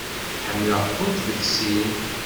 Ḥemmleɣ-kent deg sin.